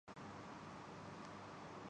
مجھے دھوکا دیا گیا ہے